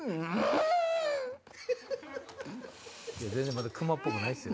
まだクマっぽくないっすよ。